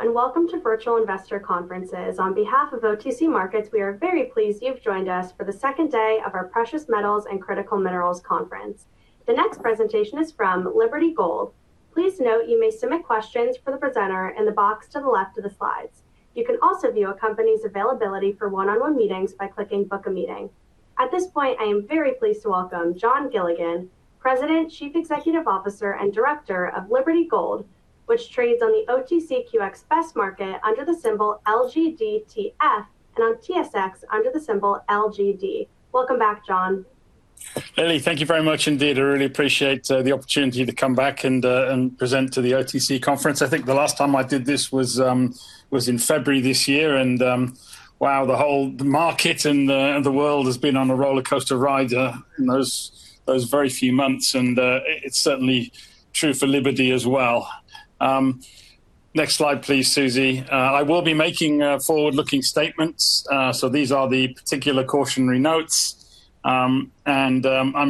Hello, welcome to Virtual Investor Conferences. On behalf of OTC Markets, we are very pleased you've joined us for the second day of our Precious Metals and Critical Minerals Conference. The next presentation is from Liberty Gold. Please note you may submit questions for the presenter in the box to the left of the slides. You can also view a company's availability for one-on-one meetings by clicking Book a Meeting. At this point, I am very pleased to welcome Jon Gilligan, President, Chief Executive Officer, and Director of Liberty Gold, which trades on the OTCQX Best Market under the symbol LGDTF, and on TSX under the symbol LGD. Welcome back, Jon. Lily, thank you very much indeed. I really appreciate the opportunity to come back and present to the OTC conference. I think the last time I did this was in February this year, wow, the whole market and the world has been on a rollercoaster ride in those very few months. It's certainly true for Liberty as well. Next slide, please, Susie. I will be making forward-looking statements. These are the particular cautionary notes. I'm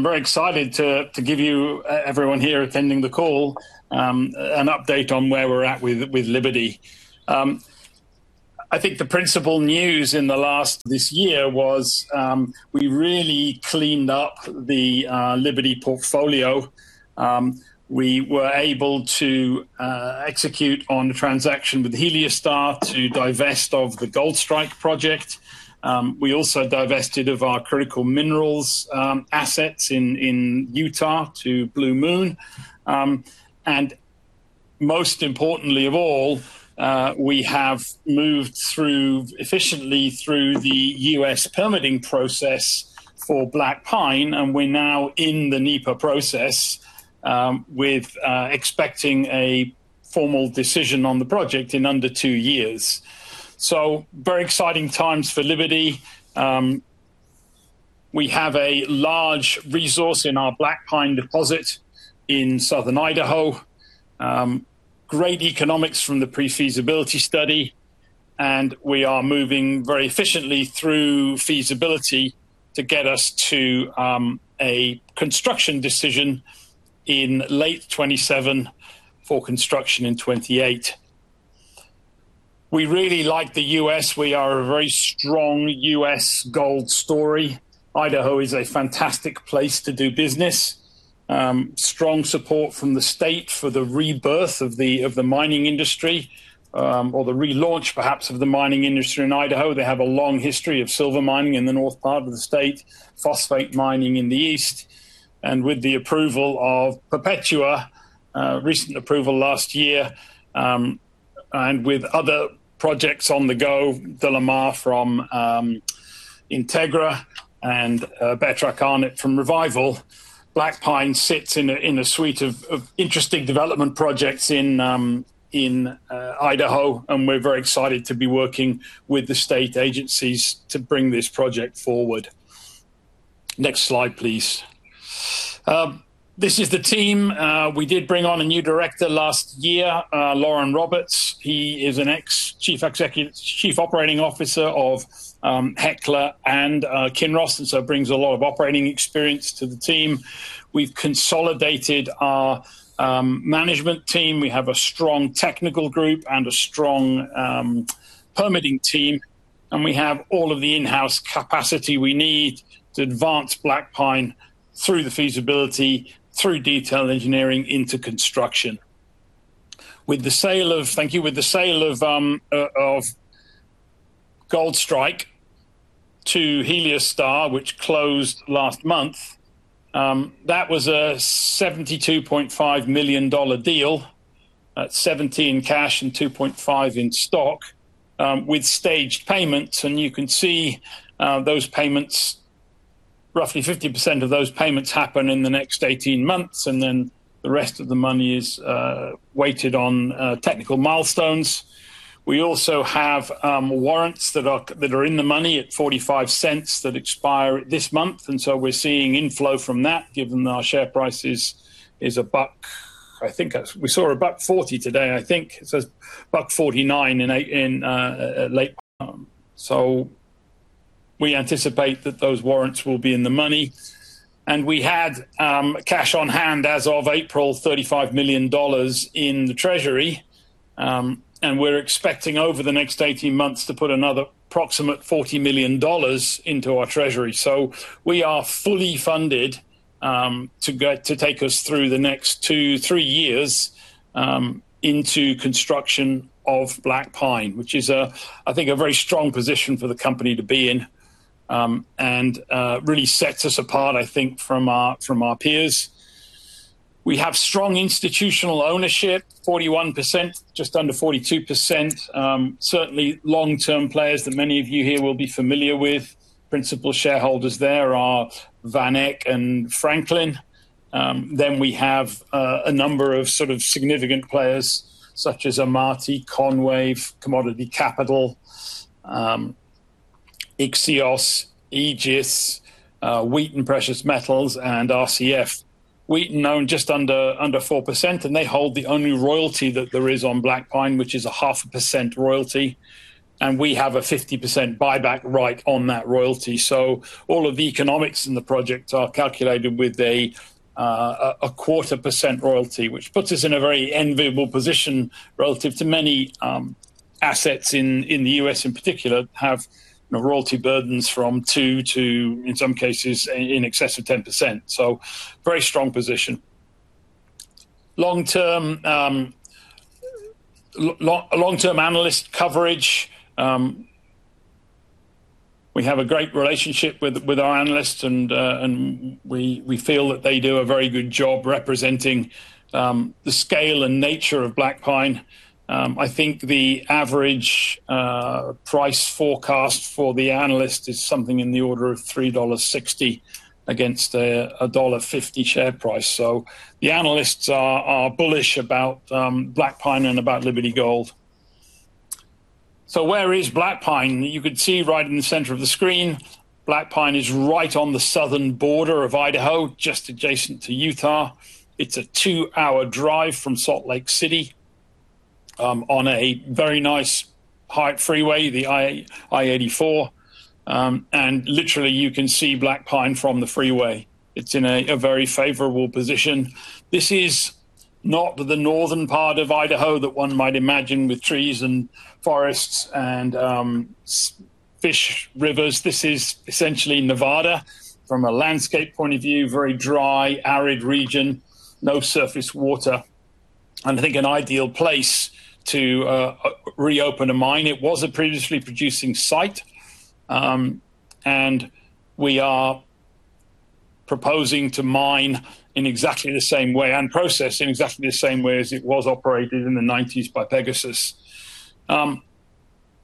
very excited to give you everyone here attending the call an update on where we're at with Liberty. I think the principal news in the last this year was we really cleaned up the Liberty portfolio. We were able to execute on the transaction with Heliostar to divest of the Goldstrike project. We also divested of our critical minerals assets in Utah to Blue Moon. Most importantly of all, we have moved efficiently through the U.S. permitting process for Blackpine, and we're now in the NEPA process, expecting a formal decision on the project in under two years. Very exciting times for Liberty. We have a large resource in our Blackpine deposit in southern Idaho. Great economics from the pre-feasibility study, and we are moving very efficiently through feasibility to get us to a construction decision in late 2027 for construction in 2028. We really like the U.S. We are a very strong U.S. gold story. Idaho is a fantastic place to do business. Strong support from the state for the rebirth of the mining industry, or the relaunch perhaps of the mining industry in Idaho. They have a long history of silver mining in the north part of the state, phosphate mining in the east. With the approval of Perpetua, recent approval last year, with other projects on the go, DeLamar from Integra and Beartrack-Arnett from Revival. Blackpine sits in a suite of interesting development projects in Idaho, and we're very excited to be working with the state agencies to bring this project forward. Next slide, please. This is the team. We did bring on a new director last year, Lauren Roberts. He is an ex-Chief Executive Chief Operating Officer of Hecla and Kinross, brings a lot of operating experience to the team. We've consolidated our management team. We have a strong technical group and a strong permitting team. We have all of the in-house capacity we need to advance Blackpine through the feasibility, through detail engineering into construction. With the sale of Goldstrike to Heliostar, which closed last month, that was a $72.5 million deal at $17 cash and $2.5 in stock, with staged payments. You can see those payments, roughly 50% of those payments happen in the next 18 months, then the rest of the money is weighted on technical milestones. We also have warrants that are in the money at $0.45 that expire this month. We're seeing inflow from that, given our share price is $1. We saw $1.40 today. I think it says $1.49 in late, we anticipate that those warrants will be in the money. We had cash on hand as of April, $35 million in the treasury. We're expecting over the next 18 months to put another approximate $40 million into our treasury. We are fully funded to take us through the next two, three years into construction of Blackpine, which is a, I think, a very strong position for the company to be in and really sets us apart, I think, from our peers. We have strong institutional ownership, 41%, just under 42%. Certainly long-term players that many of you here will be familiar with. Principal shareholders there are VanEck and Franklin. Then we have a number of sort of significant players such as Amati, Konwave, Commodity Capital, Ixios, Aegis, Wheaton Precious Metals, and RCF. We own just under 4% and they hold the only royalty that there is on Blackpine, which is a 0.5% royalty. We have a 50% buyback right on that royalty. All of the economics in the project are calculated with a 0.25% royalty, which puts us in a very enviable position relative to many assets in the U.S. in particular, have, you know, royalty burdens from 2%-10%. Very strong position. Long-term, long-term analyst coverage, we have a great relationship with our analysts and we feel that they do a very good job representing the scale and nature of Blackpine. I think the average price forecast for the analyst is something in the order of $3.60 against a $1.50 share price. The analysts are bullish about Blackpine and about Liberty Gold. Where is Blackpine? You can see right in the center of the screen, Blackpine is right on the southern border of Idaho, just adjacent to Utah. It's a two-hour drive from Salt Lake City, on a very nice highway freeway, the I-84. Literally you can see Blackpine from the freeway. It's in a very favorable position. This is not the northern part of Idaho that one might imagine with trees and forests and fish rivers. This is essentially Nevada from a landscape point of view, very dry, arid region, no surface water. I think an ideal place to reopen a mine. It was a previously producing site, and we are proposing to mine in exactly the same way and process in exactly the same way as it was operated in the 90s by Pegasus.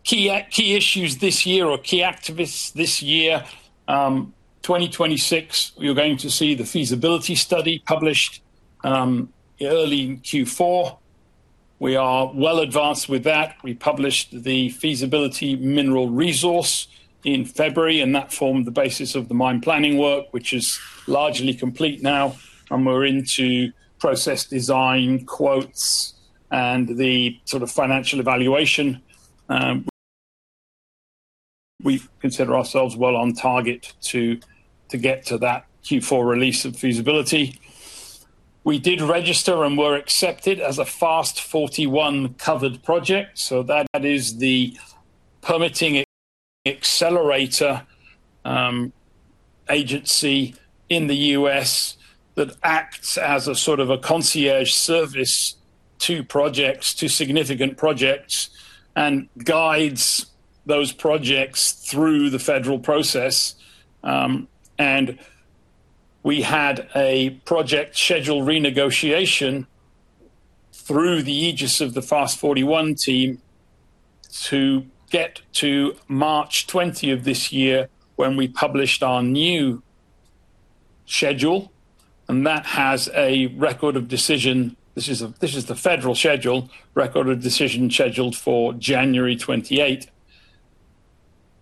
Key issues this year or key activists this year, 2026, you're going to see the feasibility study published early in Q4. We are well advanced with that. We published the feasibility mineral resource in February, and that formed the basis of the mine planning work, which is largely complete now, and we're into process design quotes and the sort of financial evaluation. We consider ourselves well on target to get to that Q4 release of feasibility. We did register and were accepted as a FAST-41 covered project. That is the permitting accelerator agency in the U.S. that acts as a sort of a concierge service to projects, to significant projects, and guides those projects through the federal process. We had a project schedule renegotiation through the aegis of the FAST-41 team to get to March 20 of this year when we published our new schedule. That has a record of decision. This is the federal schedule, record of decision scheduled for January 28,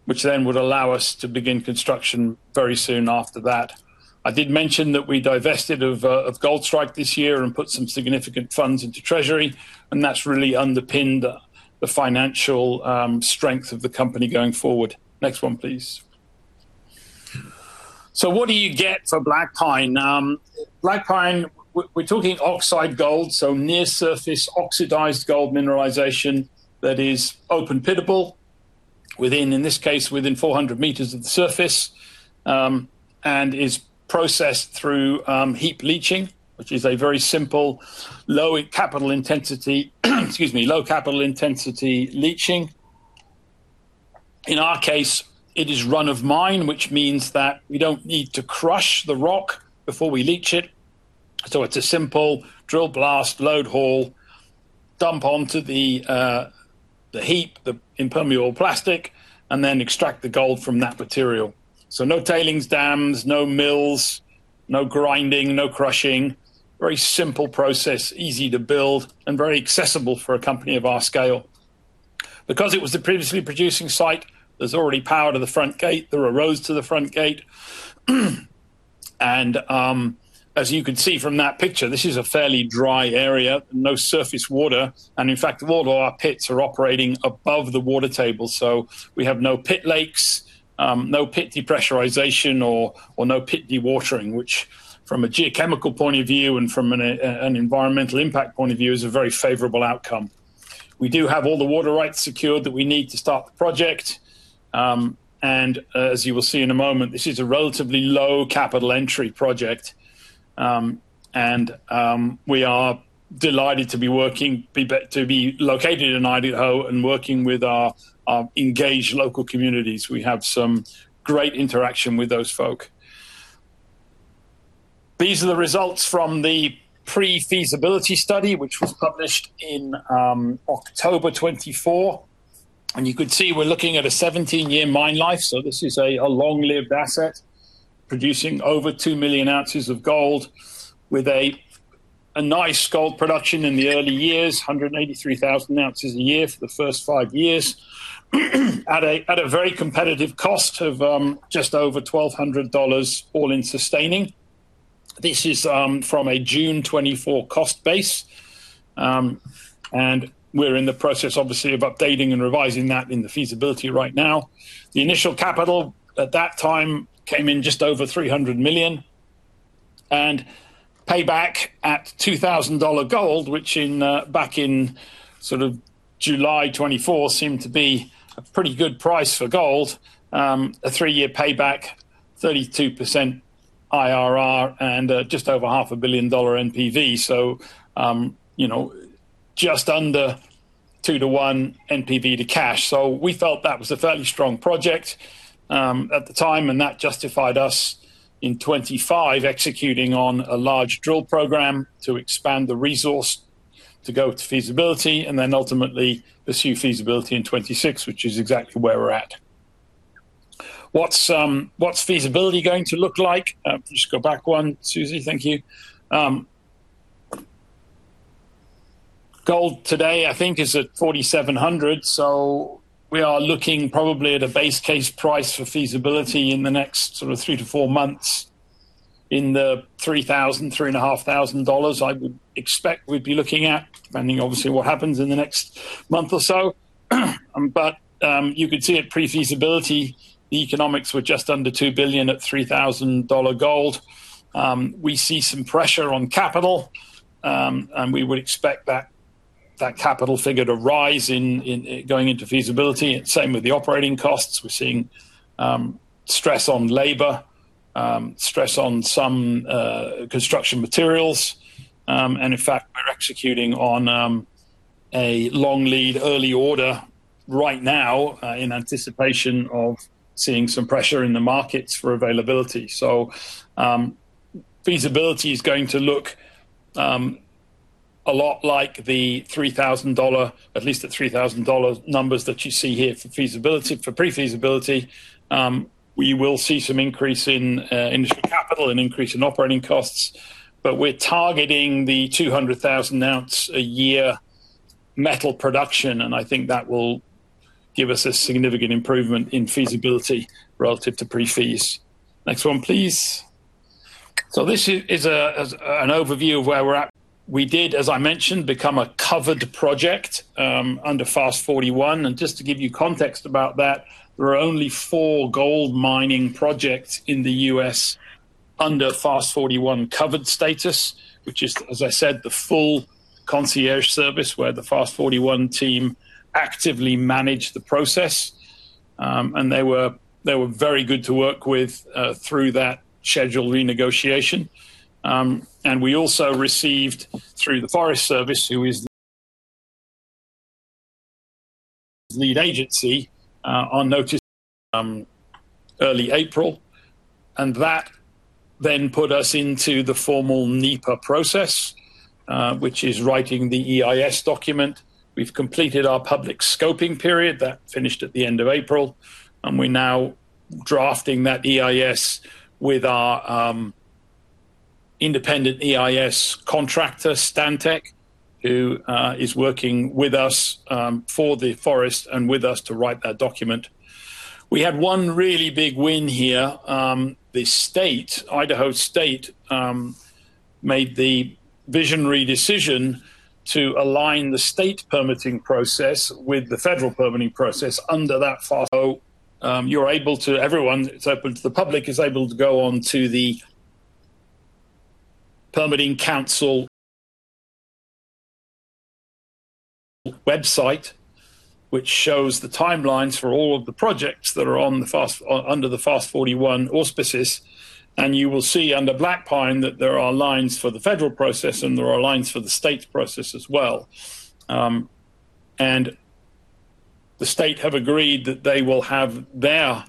which then would allow us to begin construction very soon after that. I did mention that we divested of Goldstrike this year and put some significant funds into treasury, and that's really underpinned the financial strength of the company going forward. Next one, please. What do you get for Blackpine? Blackpine, we're talking oxide gold, so near surface oxidized gold mineralization that is open pitable within, in this case, within 400 m of the surface, and is processed through heap leaching, which is a very simple low capital intensity leaching. In our case, it is run of mine, which means that we don't need to crush the rock before we leach it. It's a simple drill blast load haul, dump onto the heap, the impermeable plastic, and then extract the gold from that material. No tailings dams, no mills, no grinding, no crushing. Very simple process, easy to build and very accessible for a company of our scale. Because it was the previously producing site, there's already power to the front gate. There are roads to the front gate. As you can see from that picture, this is a fairly dry area, no surface water. In fact, all of our pits are operating above the water table. We have no pit lakes, no pit depressurization or no pit dewatering, which from a geochemical point of view and from an environmental impact point of view is a very favorable outcome. We do have all the water rights secured that we need to start the project. As you will see in a moment, this is a relatively low capital entry project. We are delighted to be working to be located in Idaho and working with our engaged local communities. We have some great interaction with those folk. These are the results from the pre-feasibility study, which was published in October 24. You can see we're looking at a 17-year mine life. This is a long-lived asset producing over 2 million oz of gold with nice gold production in the early years, 183,000 oz a year for the first five years at a very competitive cost of just over $1,200 all-in sustaining. This is from a June 2024 cost base. We're in the process, obviously, of updating and revising that in the feasibility right now. The initial capital at that time came in just over $300 million, and payback at $2,000 gold, which in back in sort of July 2024 seemed to be a pretty good price for gold. A three-year payback, 32% IRR, and just over half a billion dollar NPV. You know, just under 2-to-1 NPV to cash. We felt that was a fairly strong project at the time, and that justified us in 2025 executing on a large drill program to expand the resource to go to feasibility and then ultimately pursue feasibility in 2026, which is exactly where we're at. What's feasibility going to look like? Just go back one, Susie. Thank you. Gold today, I think, is at $4,700. We are looking probably at a base case price for feasibility in the next sort of three to four months in the $3,000-$3,500, I would expect we'd be looking at, depending obviously what happens in the next month or so. You could see at pre-feasibility, the economics were just under $2 billion at $3,000 gold. We see some pressure on capital, and we would expect that capital figure to rise in going into feasibility. Same with the operating costs. We're seeing stress on labor, stress on some construction materials. In fact, we're executing on a long lead early order right now in anticipation of seeing some pressure in the markets for availability. Feasibility is going to look a lot like the $3,000, at least at $3,000 numbers that you see here for feasibility. For pre-feasibility, we will see some increase in initial capital and increase in operating costs, but we're targeting the 200,000 oz a year metal production, and I think that will give us a significant improvement in feasibility relative to pre-feas. Next one, please. This is an overview of where we're at. We did, as I mentioned, become a covered project under FAST-41. Just to give you context about that, there are only four gold mining projects in the U.S. under FAST-41 covered status, which is, as I said, the full concierge service where the FAST-41 team actively manage the process. They were very good to work with through that schedule renegotiation. We also received through the U.S. Forest Service, who is the lead agency, on notice early April, that then put us into the formal NEPA process, which is writing the EIS document. We've completed our public scoping period. That finished at the end of April, we're now drafting that EIS with our independent EIS contractor, Stantec, who is working with us for the forest and with us to write that document. We had one really big win here. The state, Idaho state, made the visionary decision to align the state permitting process with the federal permitting process under that FAST-41. You're able to Everyone, it's open to the public, is able to go on to the permitting council website, which shows the timelines for all of the projects that are under the FAST-41 auspices. You will see under Blackpine that there are lines for the federal process, and there are lines for the state's process as well. The state have agreed that they will have their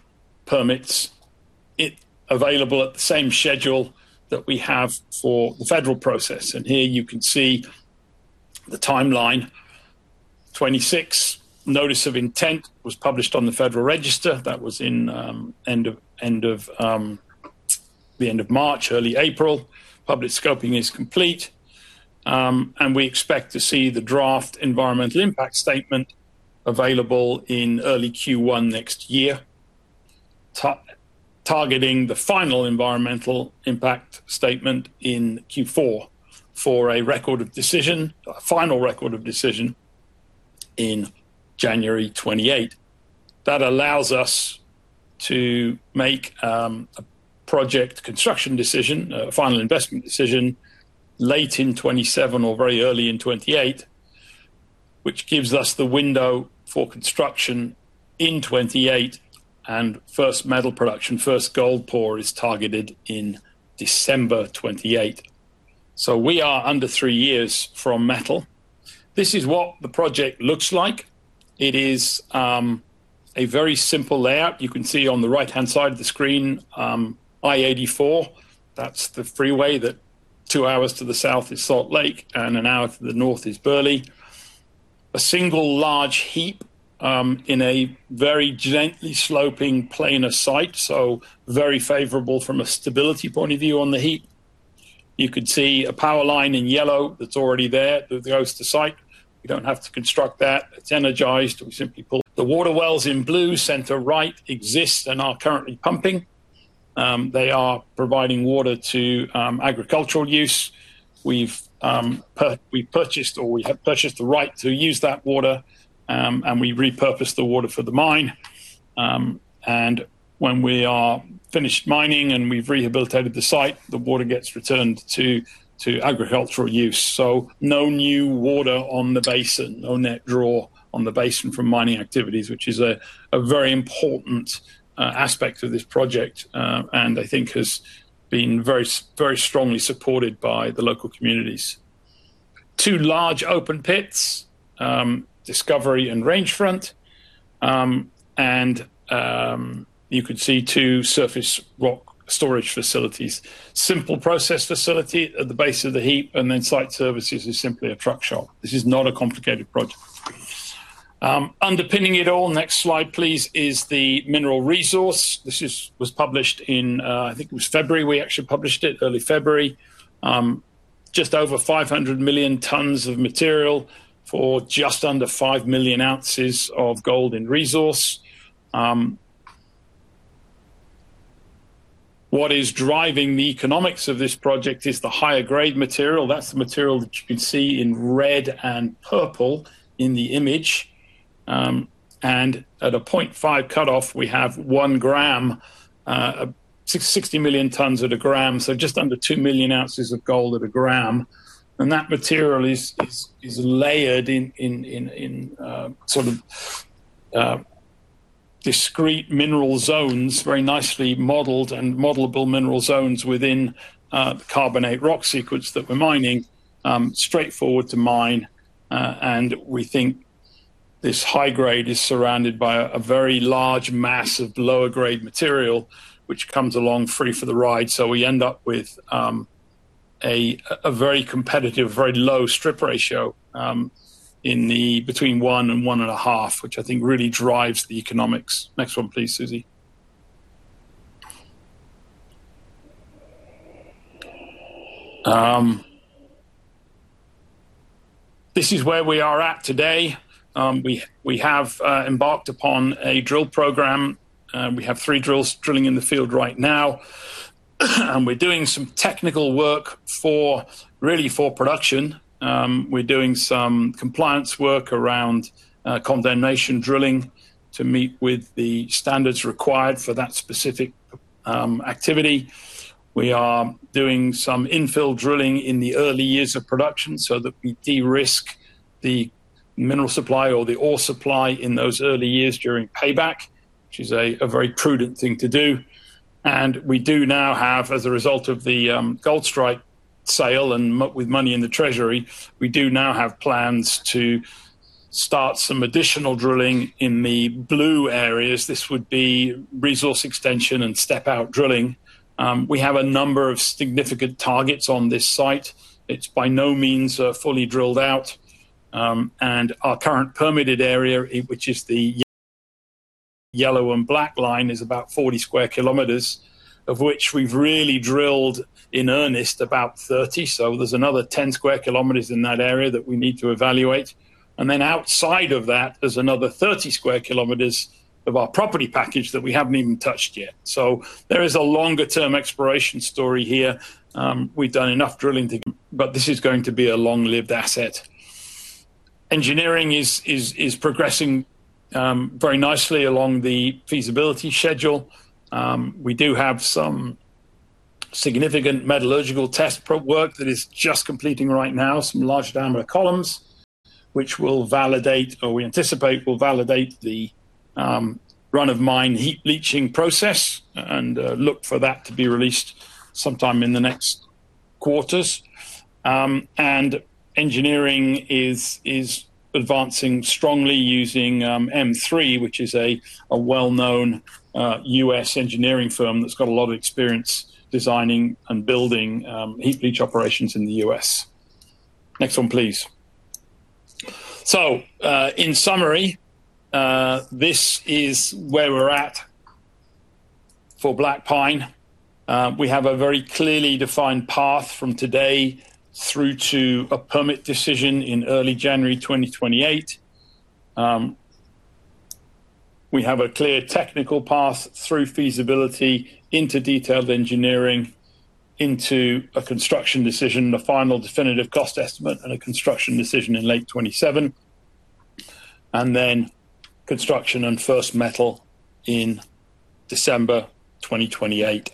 permits available at the same schedule that we have for the federal process. Here you can see the timeline. 2026, Notice of Intent was published on the Federal Register. That was in the end of March, early April. Public scoping is complete. We expect to see the draft environmental impact statement available in early Q1 next year. Targeting the final environmental impact statement in Q4 for a record of decision, a final record of decision in January 2028. That allows us to make a project construction decision, a final investment decision late in 2027 or very early in 2028, which gives us the window for construction in 2028 and first metal production. First gold pour is targeted in December 2028. We are under three years from metal. This is what the project looks like. It is a very simple layout. You can see on the right-hand side of the screen, I-84. That's the freeway that two hours to the south is Salt Lake, and 1 hour to the north is Burley. A single large heap, in a very gently sloping plane of sight, so very favorable from a stability point of view on the heap. You could see a power line in yellow that's already there that goes to site. We don't have to construct that. It's energized. We simply pull. The water wells in blue center right exist and are currently pumping. They are providing water to agricultural use. We've purchased or we have purchased the right to use that water, and we repurpose the water for the mine. When we are finished mining and we've rehabilitated the site, the water gets returned to agricultural use. No new water on the basin or net draw on the basin from mining activities, which is a very important aspect of this project. I think has been very strongly supported by the local communities. Two large open pits, Discovery and Rangefront. You could see two surface rock storage facilities. Simple process facility at the base of the heap, then site services is simply a truck shop. This is not a complicated project. Underpinning it all, next slide, please, is the mineral resource. This was published in, I think it was February we actually published it, early February. Just over 500 million tons of material for just under 5 million oz of gold and resource. What is driving the economics of this project is the higher grade material. That's the material that you can see in red and purple in the image. At a 0.5 cutoff, we have 1 g, 60 million tons at a gram, so just under 2 million oz of gold at a gram. That material is layered in discrete mineral zones, very nicely modeled and modelable mineral zones within a carbonate rock sequence that we're mining, straightforward to mine. We think this high grade is surrounded by a very large mass of lower grade material which comes along free for the ride. We end up with a very competitive, very low strip ratio, in the between one and 1.5, which I think really drives the economics. Next one, please, Susie. This is where we are at today. We have embarked upon a drill program. We have 3 drills drilling in the field right now. We're doing some technical work really for production. We're doing some compliance work around condemnation drilling to meet with the standards required for that specific activity. We are doing some infill drilling in the early years of production so that we de-risk the mineral supply or the ore supply in those early years during payback, which is a very prudent thing to do. We do now have, as a result of the Goldstrike sale and with money in the treasury, we do now have plans to start some additional drilling in the blue areas. This would be resource extension and step out drilling. We have a number of significant targets on this site. It's by no means fully drilled out. Our current permitted area, which is the yellow and black line, is about 40 sq km, of which we've really drilled in earnest about 30. There's another 10 sq km in that area that we need to evaluate. Outside of that, there's another 30 sq km of our property package that we haven't even touched yet. There is a longer term exploration story here. This is going to be a long-lived asset. Engineering is progressing very nicely along the feasibility schedule. We do have some significant metallurgical test work that is just completing right now, some large diameter columns, which will validate or we anticipate will validate the run of mine heap leaching process and look for that to be released sometime in the next quarters. Engineering is advancing strongly using M3, which is a well-known U.S. engineering firm that's got a lot of experience designing and building heap leach operations in the U.S. Next one, please. In summary, this is where we're at for Blackpine. We have a very clearly defined path from today through to a permit decision in early January 2028. We have a clear technical path through feasibility into detailed engineering, into a construction decision, a final definitive cost estimate and a construction decision in late 2027, then construction and first metal in December 2028.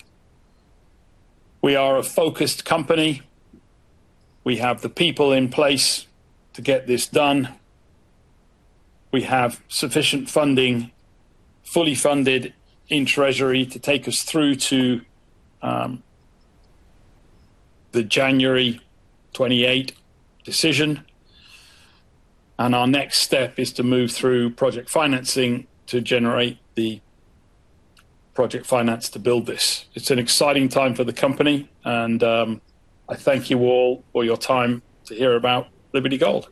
We are a focused company. We have the people in place to get this done. We have sufficient funding, fully funded in treasury to take us through to the January 2028 decision. Our next step is to move through project financing to generate Project finance to build this. It's an exciting time for the company, and I thank you all for your time to hear about Liberty Gold.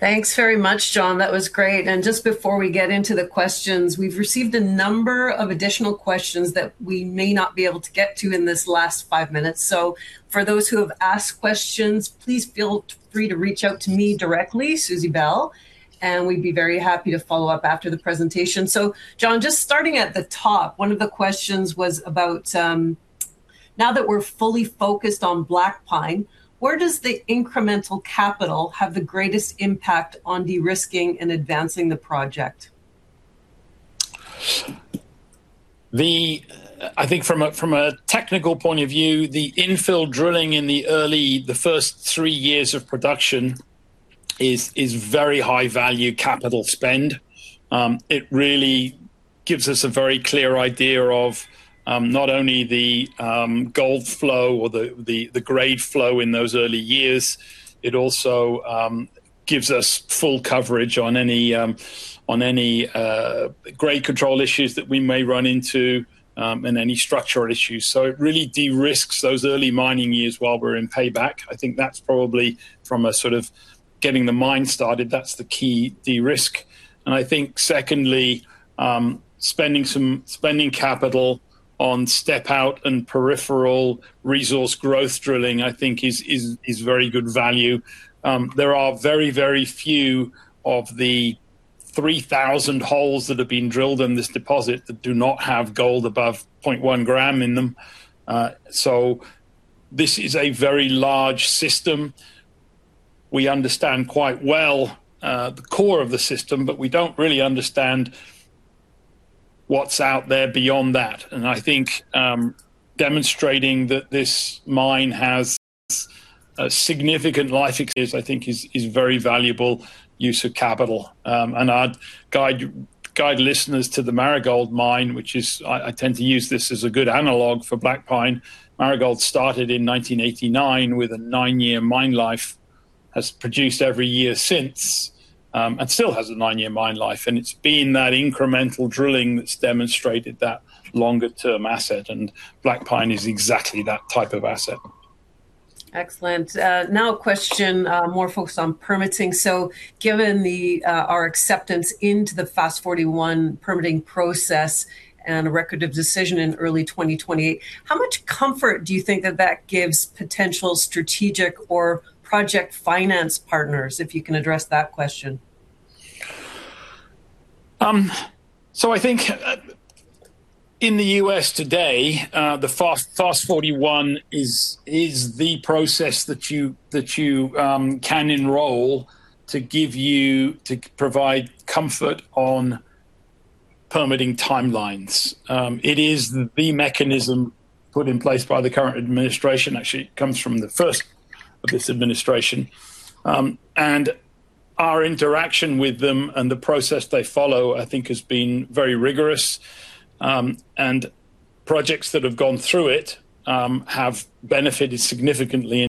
Thanks very much, Jon. That was great. Just before we get into the questions, we've received a number of additional questions that we may not be able to get to in this last five minutes. For those who have asked questions, please feel free to reach out to me directly, Susie Bell, and we'd be very happy to follow up after the presentation. Jon, just starting at the top, one of the questions was about now that we're fully focused on Blackpine, where does the incremental capital have the greatest impact on de-risking and advancing the project? The, I think from a, from a technical point of view, the infill drilling in the early, the first three years of production is very high value capital spend. It really gives us a very clear idea of not only the gold flow or the grade flow in those early years. It also gives us full coverage on any on any grade control issues that we may run into and any structural issues. It really de-risks those early mining years while we're in payback. I think that's probably from a sort of getting the mine started, that's the key de-risk. I think secondly, spending capital on step out and peripheral resource growth drilling, I think is very good value. There are very, very few of the 3,000 holes that have been drilled in this deposit that do not have gold above 0.1 g in them. This is a very large system. We understand quite well, the core of the system, but we don't really understand what's out there beyond that. I think demonstrating that this mine has a significant life exists, I think is very valuable use of capital. I'd guide listeners to the Marigold Mine, which I tend to use this as a good analog for Blackpine. Marigold started in 1989 with a nine-year mine life, has produced every year since, and still has a nine-year mine life. It's been that incremental drilling that's demonstrated that longer term asset, and Blackpine is exactly that type of asset. Excellent. Now a question more focused on permitting. Given the our acceptance into the FAST-41 permitting process and a record of decision in early 2020, how much comfort do you think that that gives potential strategic or project finance partners, if you can address that question? I think in the U.S. today, the FAST-41 is the process that you can enroll to give you, to provide comfort on permitting timelines. It is the mechanism put in place by the current administration. Actually, it comes from the first of this administration. Our interaction with them and the process they follow, I think has been very rigorous. Projects that have gone through it have benefited significantly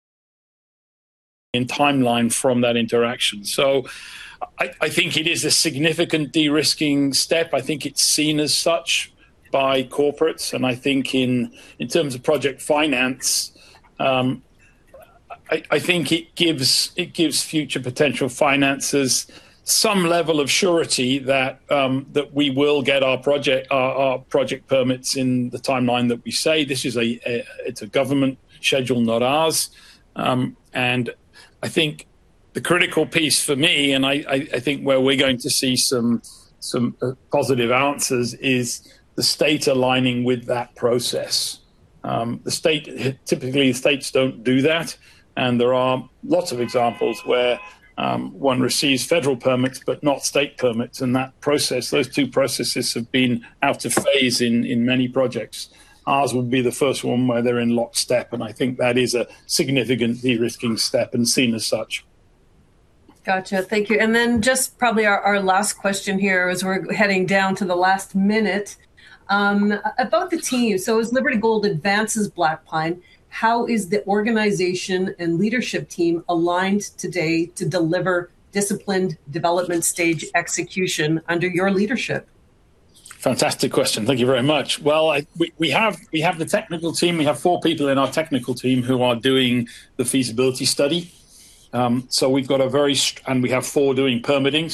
in timeline from that interaction. I think it is a significant de-risking step. I think it's seen as such by corporates. I think in terms of project finance, I think it gives future potential finances some level of surety that we will get our project permits in the timeline that we say. It's a government schedule, not ours. I think the critical piece for me, I think where we're going to see some positive answers is the state aligning with that process. Typically, states don't do that, there are lots of examples where one receives federal permits but not state permits. That process, those two processes have been out of phase in many projects. Ours would be the first one where they're in lockstep, I think that is a significant de-risking step and seen as such. Gotcha. Thank you. Just probably our last question here as we're heading down to the last minute. About the team. As Liberty Gold advances Blackpine, how is the organization and leadership team aligned today to deliver disciplined development stage execution under your leadership? Fantastic question. Thank you very much. We have the technical team. We have four people in our technical team who are doing the feasibility study. We have four doing permitting.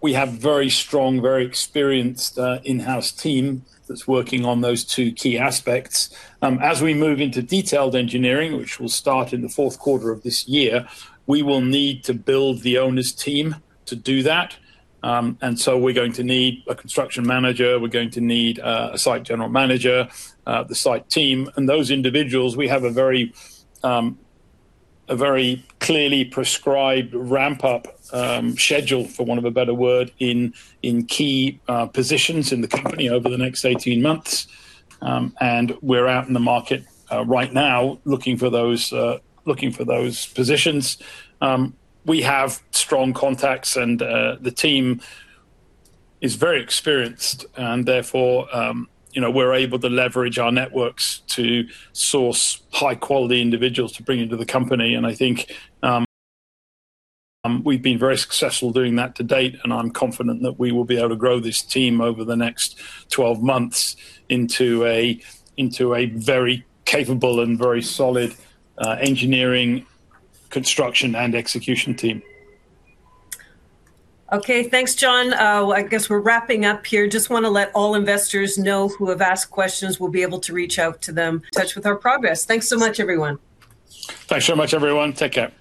We have very strong, very experienced in-house team that's working on those two key aspects. As we move into detailed engineering, which will start in the fourth quarter of this year, we will need to build the owner's team to do that. We're going to need a construction manager. We're going to need a site general manager, the site team. Those individuals, we have a very clearly prescribed ramp-up schedule, for want of a better word, in key positions in the company over the next 18 months. We're out in the market right now looking for those positions. We have strong contacts and the team is very experienced, and therefore, you know, we're able to leverage our networks to source high-quality individuals to bring into the company. I think we've been very successful doing that to date, and I'm confident that we will be able to grow this team over the next 12 months into a very capable and very solid engineering, construction, and execution team. Okay. Thanks, Jon. I guess we're wrapping up here. Just wanna let all investors know who have asked questions, we'll be able to reach out to them, touch with our progress. Thanks so much, everyone. Thanks so much, everyone. Take care.